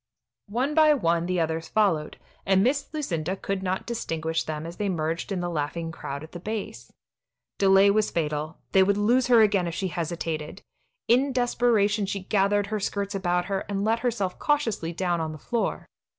One by one the others followed, and Miss Lucinda could not distinguish them as they merged in the laughing crowd at the base. Delay was fatal; they would lose her again if she hesitated. In desperation she gathered her skirts about her, and let herself cautiously down on the floor.